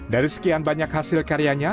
dari sekian banyak hasil karyanya